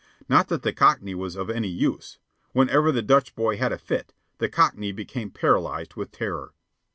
Not that the Cockney was of any use. Whenever the Dutch boy had a fit, the Cockney became paralyzed with terror.